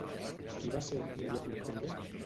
Qui va ser Núria Pompeia?